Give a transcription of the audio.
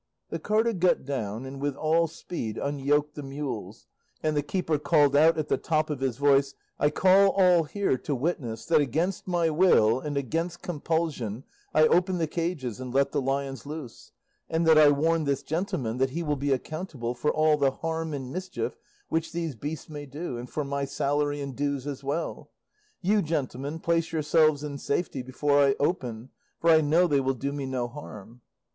The carter got down and with all speed unyoked the mules, and the keeper called out at the top of his voice, "I call all here to witness that against my will and under compulsion I open the cages and let the lions loose, and that I warn this gentleman that he will be accountable for all the harm and mischief which these beasts may do, and for my salary and dues as well. You, gentlemen, place yourselves in safety before I open, for I know they will do me no harm."